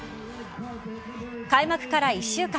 開幕から１週間。